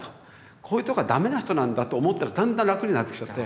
こういうとこはダメな人なんだと思ったらだんだん楽になってきちゃって。